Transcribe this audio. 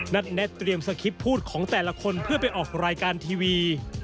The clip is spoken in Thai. แน็ตเตรียมสคริปต์พูดของแต่ละคนเพื่อไปออกรายการทีวี